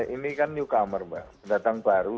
ini kan newcomer mbak pendatang baru